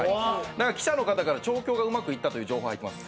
記者の方から調教がうまくいったという情報が入っています。